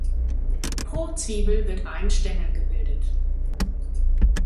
Pro Zwiebel wird ein Stängel gebildet.